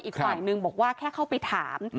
อีกฝ่ายนึงบอกว่าแค่เข้าไปถาม